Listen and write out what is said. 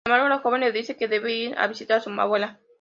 Sin embargo, la joven le dice que debe ir a visitar a su abuela.